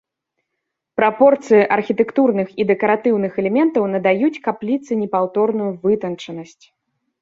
Прапорцыі архітэктурных і дэкаратыўных элементаў надаюць капліцы непаўторную вытанчанасць.